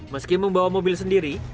meski membawa mobil sendiri